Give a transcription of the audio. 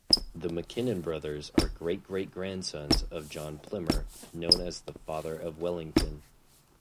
The McKinnon brothers are great-great-grandsons of John Plimmer, known as the "father of Wellington".